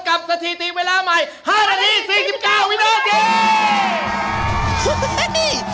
สถิติเวลาใหม่๕นาที๔๙วินาที